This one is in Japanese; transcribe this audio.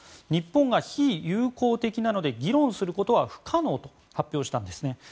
日本が非友好的なので議論することは不可能と発表したんですね。